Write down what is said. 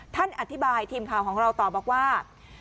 ท่านอธิบายทีมข่าวของเราต่อบอกว่า